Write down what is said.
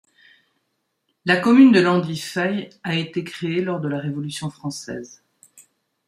La commune de Landifay a été créée lors de la Révolution française.